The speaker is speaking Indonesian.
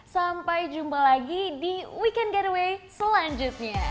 sampai jumpa lagi di weekend getaway selanjutnya